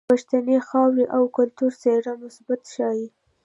د پښتنې خاورې او کلتور څهره مثبت ښائي.